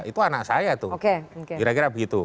itu anak saya tuh kira kira begitu